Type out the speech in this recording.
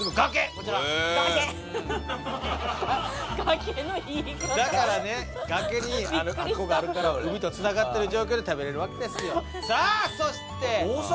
こちらへえ崖の言い方だからね崖にあそこがあるからビックリした海とつながってる状況で食べれるわけですよさあそして大阪？